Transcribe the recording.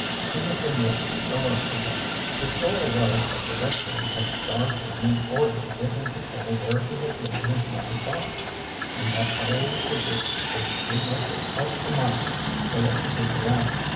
He had been left to starve to death. The story was that the lake men had starved him in order to get him to tell where he had hidden his money box, and that old Goupert was too much o' a miser to let the secret out.